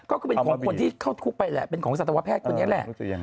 ก็คือเป็นของคนที่เข้าทุกข์ไปแหละเป็นของสัตวแพทย์คนนี้แหละ